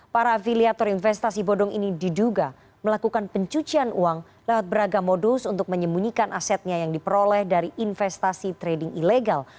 para afiliator investasi bodong ini diduga melakukan pencucian uang lewat beragam modus untuk menyembunyikan asetnya yang diperoleh dari investasi trading ilegal